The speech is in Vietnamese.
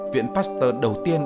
viện pasteur đầu tiên